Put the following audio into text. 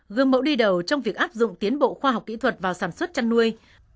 gương mẫu đi đầu trong việc áp dụng tiến bộ khoa học kỹ thuật vào sản xuất chăn nuôi